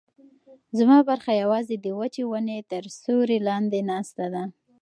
زما برخه یوازې د وچې ونې تر سیوري لاندې ناسته ده.